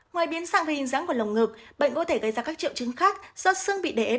ngoài biến sạng về hình dáng của lồng ngực bệnh có thể gây ra các triệu chứng khác do sương bị đề ép